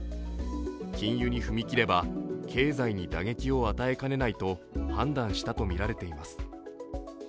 禁輸に踏み切れば経済に打撃を与えかねないと判断したとみられています。